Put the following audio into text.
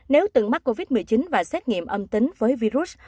nếu từng mắc covid một mươi chín và xét nghiệm âm tính với virus